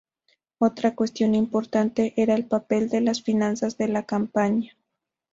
Otra cuestión importante era el papel de las finanzas de la campaña.